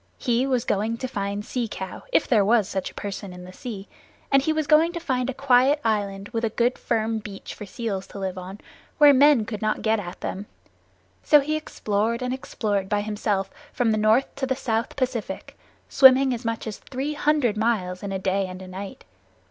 He was going to find Sea Cow, if there was such a person in the sea, and he was going to find a quiet island with good firm beaches for seals to live on, where men could not get at them. So he explored and explored by himself from the North to the South Pacific, swimming as much as three hundred miles in a day and a night.